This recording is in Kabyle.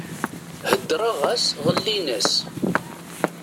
Heddreɣ-as ɣellin-as.